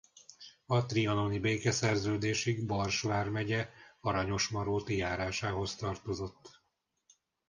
A trianoni békeszerződésig Bars vármegye Aranyosmaróti járásához tartozott.